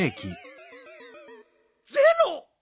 ゼロ！